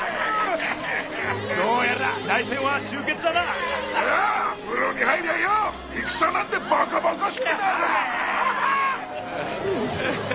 どうやら内戦は終結だなああ風呂に入りゃよう戦なんてバカバカしくならぁ